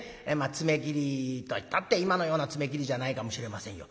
爪切りといったって今のような爪切りじゃないかもしれませんよ。